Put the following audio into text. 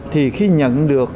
thì khi nhận được